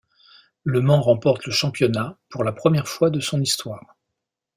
Le Mans remporte le championnat pour la première fois de son histoire.